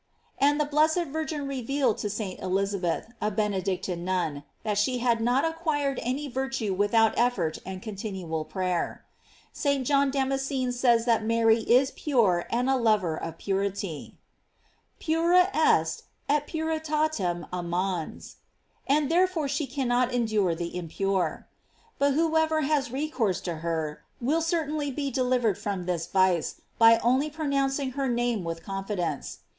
"f And the blessed Virgin revealed to St. Elisabeth, a Benedictine nun, that she had not acquired any virtue without effort and con tinual prayer. J St. John Damascene says that Mary is pure and a lover of purity: "Pura est efc puritatem amans," and therefore she cannot en dure the impure. But whoever has recourse to her will certainly be delivered from this vice by only pronouncing her name with confidence.